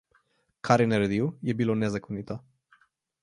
Kar je naredil, je bilo nezakonito.